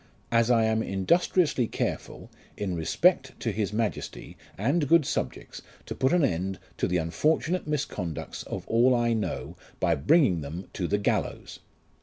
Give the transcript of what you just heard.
As I am industriously careful, in respect to his Majesty and good subjects, to put an end to the unfortunate misconducts of all I know, by bringing them to the gallows.